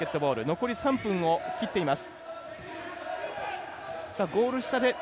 残り３分を切っています。